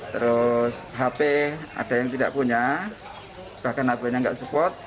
terus hp ada yang tidak punya bahkan hp nya tidak support